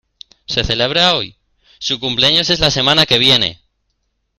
¿ Se celebra hoy? ¡ su cumpleaños es la semana que viene!